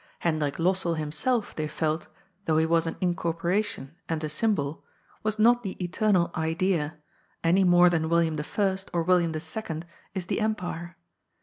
Hendrik Lossell himself, they felt, though he was an in corporation and a symbol, was not the eternal Idea, any more than William I. or William II. is the Empire.